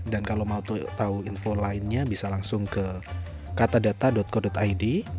dan kalau mau tahu info lainnya bisa langsung ke katadata co id